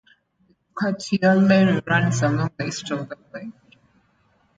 The Cartier Railway runs along the east of the lake.